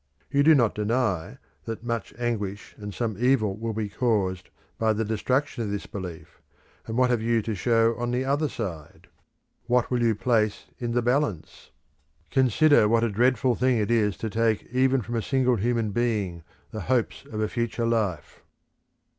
You do not deny that 'much anguish and some evil will be caused' by the destruction of this belief; and what have you to show on the other side? What will you place in the balance? Consider what a dreadful thing it is to take even from a single human being the hopes of a future life.